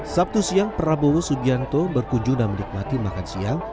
sabtu siang prabowo subianto berkunjung dan menikmati makan siang